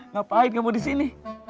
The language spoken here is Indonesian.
ngapain kamu disini